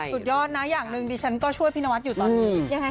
สุดยอดนะอย่างหนึ่งดิฉันก็ช่วยพี่นวัดอยู่ตอนนี้